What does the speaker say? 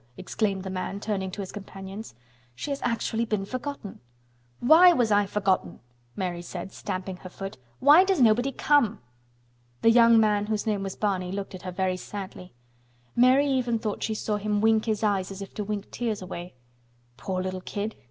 exclaimed the man, turning to his companions. "She has actually been forgotten!" "Why was I forgotten?" Mary said, stamping her foot. "Why does nobody come?" The young man whose name was Barney looked at her very sadly. Mary even thought she saw him wink his eyes as if to wink tears away. "Poor little kid!"